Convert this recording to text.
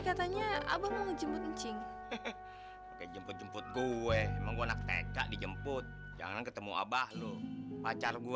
katanya abang jemput cing jemput gue mau enak teka dijemput jangan ketemu abah lu pacar gue